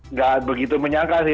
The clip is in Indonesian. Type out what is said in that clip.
nggak begitu menyangka sih